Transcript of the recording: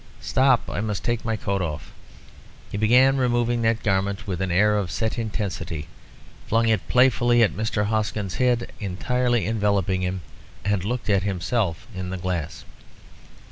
Stop, I must take my coat off." He began removing that garment with an air of set intensity, flung it playfully at Mr. Hoskins' head, entirely enveloping him, and looked at himself in the glass.